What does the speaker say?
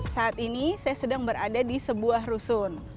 saat ini saya sedang berada di sebuah rusun